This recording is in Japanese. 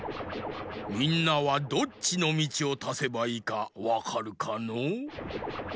みんなはどっちのみちをたせばいいかわかるかのう？